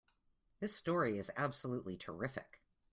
This story is absolutely terrific!